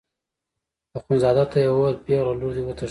اخندزاده ته یې وویل پېغله لور دې وتښتېده.